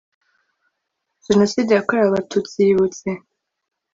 jenoside yakorewe abatutsi yibutse